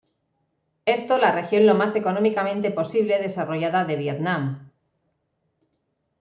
Esto la región lo más económicamente posible desarrollada de Vietnam.